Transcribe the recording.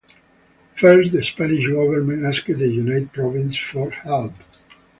First, the Spanish government asked the United Provinces for help.